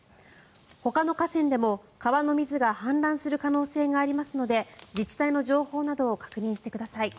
ほかの河川でも川の水が氾濫する可能性がありますので自治体の情報などを確認してください。